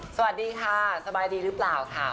สวัสดีค่ะสบายดีหรือเปล่าค่ะ